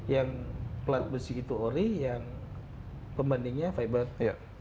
yang plat besi itu ori yang pembandingnya fiber itu startnya dari harga lima belas sampai dua puluh lima